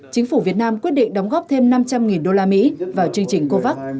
chính phủ việt nam quyết định đóng góp thêm năm trăm linh đô la mỹ vào chương trình covax